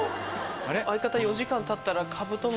相方４時間たったら。